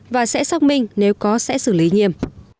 và sẽ xác minh nếu có sẽ xử lý nghiêm